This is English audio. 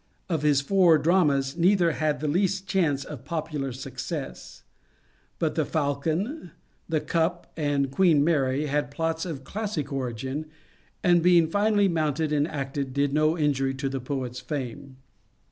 Of his four dramas neither had the least chance of popular success ; but the " Falcon," the " Cup," and " Queen Mary " had plots of classic origin, and being finely mounted and acted did no injury to the poet's fame.